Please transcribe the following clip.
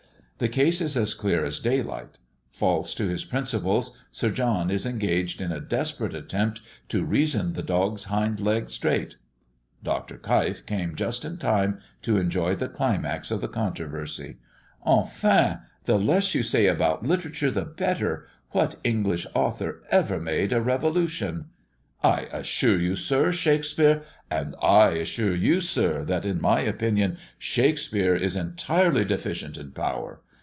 The case is as clear as daylight. False to his principles, Sir John is engaged in a desperate attempt to "reason the dog's hind leg straight." Dr. Keif came just in time to enjoy the climax of the controversy. "Enfin the less you say about literature the better. What English author ever made a revolution?" "I assure you, sir, Shakespeare " "And I assure you, sir, that, in my opinion, Shakespeare is entirely deficient in power.